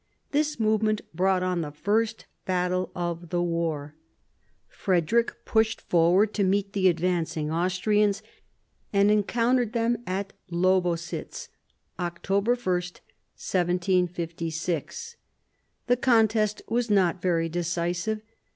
This movement brought on the first battle of the war. Frederick pushed forward to meet the advancing Austrians, and encountered them at Lobositz (October 1, 1756). The contest was not very decisive.